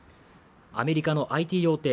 アメリカのＩＴ大手